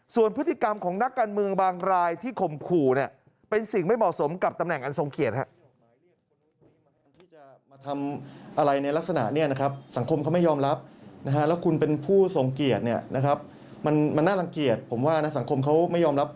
ส่วนพฤติกรรมของนักการเมืองบางรายที่ข่มขู่เนี่ยเป็นสิ่งไม่เหมาะสมกับตำแหน่งอันทรงเกียรติครับ